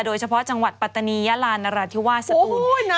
โดยเฉพาะจังหวัดปัตตานียาลานราธิวาสสตูน